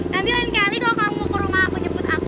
nanti lain kali kalau kamu ke rumah aku jemput aku